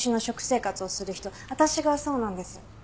私がそうなんです。